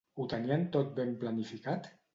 Ho tenien tot ben planificat?